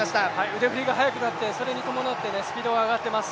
腕振りが速くなってそれに伴ってスピードが上がっています。